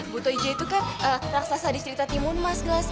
buto ijo itu kan raksasa di cerita timun mas gles